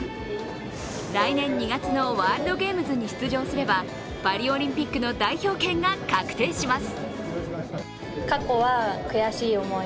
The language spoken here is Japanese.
来年２月のワールドゲームズに出場すればパリオリンピックの代表権が確定します。